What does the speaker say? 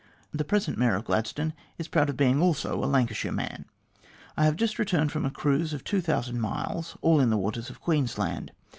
The present Mayor of Gladstone is proud of eing also a Lancashire man. I have just returned from a cruise of 2000 miles, all in the waters of Queensland.